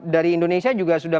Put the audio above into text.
dari indonesia juga sudah